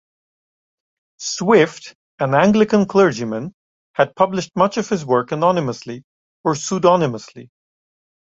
Swift, an Anglican clergyman, had published much of his work anonymously or pseudonymously.